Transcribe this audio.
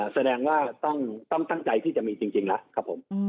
แสดงว่าต้องตั้งใจที่จะมีจริงแล้วครับผม